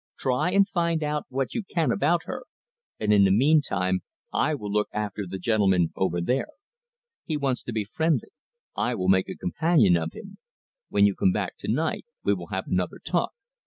Try and find out what you can about her, and in the meantime I will look after the gentleman over there. He wants to be friendly I will make a companion of him. When you come back to night we will have another talk."